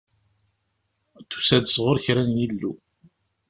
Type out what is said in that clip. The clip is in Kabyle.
Tusa-d sɣur kra n yillu.